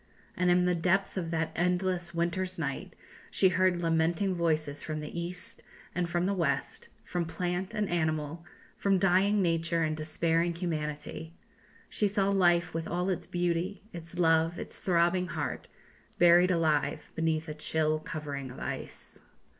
And in the depth of that endless winter's night she heard lamenting voices from the east and from the west, from plant and animal, from dying nature and despairing humanity; she saw life with all its beauty, its love, its throbbing heart, buried alive beneath a chill covering of ice."